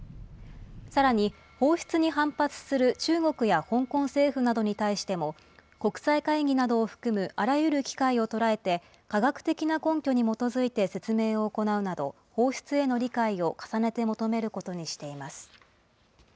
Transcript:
さらに放出に反発する中国や香港政府などに対しても、国際会議などを含むあらゆる機会を捉えて、科学的な根拠に基づいて説明を行うなど、放出への理解を重ねて求めることにしています。